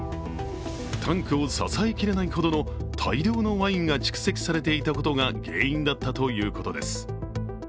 タンクを支えきれないほどの大量のワインが蓄積されていたことが原因だったということです。